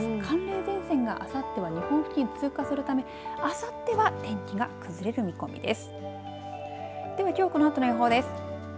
寒冷前線があさって日本付近を通過するため、あさっては天気が崩れる見込みです。